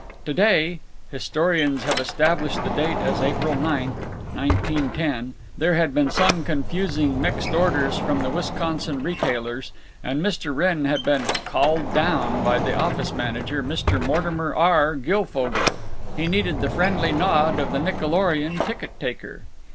To day—historians have established the date as April 9, 1910—there had been some confusing mixed orders from the Wisconsin retailers, and Mr. Wrenn had been "called down" by the office manager, Mr. Mortimer R. Guilfogle. He needed the friendly nod of the Nickelorion ticket taker.